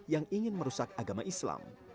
yang ingin merusak agama islam